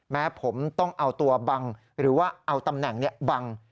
แม้ผมต้องเอาตัวบังหรือว่าเอาตำแหน่งบัง